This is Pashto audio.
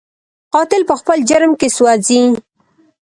قاتل په خپل جرم کې سوځي